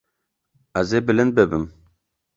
Ez ê bilind bibim.